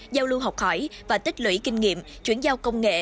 giao lưu học hỏi và tích lũy kinh nghiệm chuyển giao công nghệ